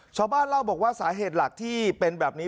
ชาวบ้านเล่าบอกว่าสาเหตุหลักที่เป็นแบบนี้